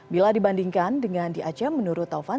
bila dibandingkan dengan di aceh menurut taufan